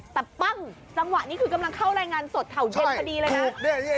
แต่ปั้งจังหวะนี้คือกำลังเข้ารายงานสดข่าวเย็นพอดีเลยนะ